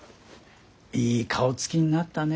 いい顔つきになったね。